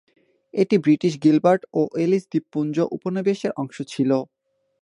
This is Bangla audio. এটি ব্রিটিশ গিলবার্ট ও এলিস দ্বীপপুঞ্জ উপনিবেশের অংশ ছিল।